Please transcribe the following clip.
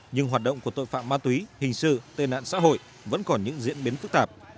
nhưng hoạt động của tội phạm ma túy hình sự tên nạn xã hội vẫn còn những diễn biến phức tạp